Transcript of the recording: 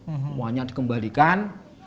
mau hanya dikembalikan